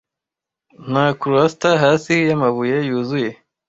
'Nta cloister-hasi yamabuye yuzuye